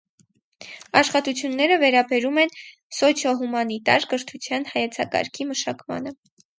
Աշխատությունները վերաբերում են սոցիոհումանիտար կրթության հայեցակարգի մշակմանը։